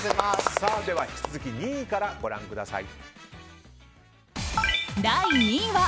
では引き続き２位からご覧ください。